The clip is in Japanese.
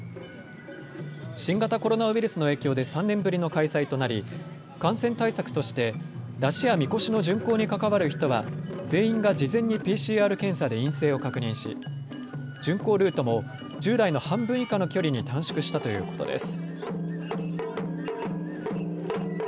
新型コロナウイルスの影響で３年ぶりの開催となり感染対策として山車やみこしの巡行に関わる人は全員が事前にＰＣＲ検査で陰性を確認し巡行ルートも従来の半分以下の距離に短縮したということです。